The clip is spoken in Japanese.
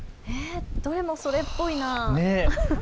どれもそれっぽいな。